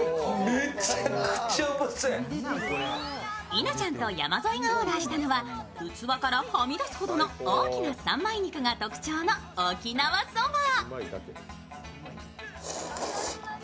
稲ちゃんと山添がオーダーしたのは、器からはみ出すほどの大きな三枚肉が特徴の沖縄そば。